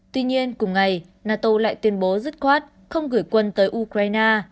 tuy nhiên cùng ngày nato lại tuyên bố dứt khoát không gửi quân tới ukraine